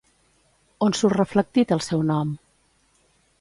On surt reflectit el seu nom?